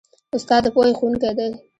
استاد د پوهې ښوونکی دی.